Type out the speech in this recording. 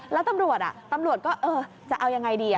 แล้วตำรวจตำรวจก็เออจะเอายังไงดี